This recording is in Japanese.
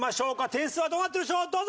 点数はどうなったでしょう？